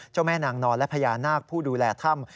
แม่นางนอนและพญานาคผู้ดูแลถ้ำ